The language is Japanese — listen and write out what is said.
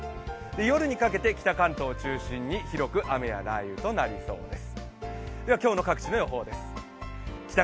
夜にかけて北関東中心に広く雨や雷雨となりそうです。